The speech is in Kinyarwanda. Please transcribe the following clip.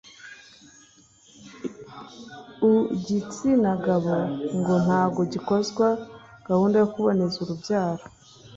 Ugitsina gabo ngo ntago gikozwa gahunda yokuboneza urubyaro